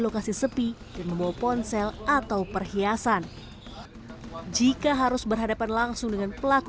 lokasi sepi dan membawa ponsel atau perhiasan jika harus berhadapan langsung dengan pelaku